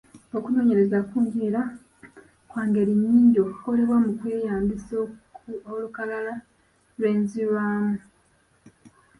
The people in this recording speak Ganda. Okunoonyereza kungi era kwa ngeri nnyingi okukolebwa mu kweyambisa olukalala lw’enzirwamu.